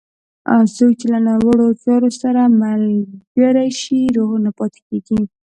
څوک چې له ناوړه چارو سره ملګری شي، روغ نه پاتېږي.